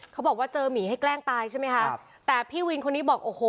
เขาบอกว่าเจอหมีให้แกล้งตายใช่ไหมคะครับแต่พี่วินคนนี้บอกโอ้โห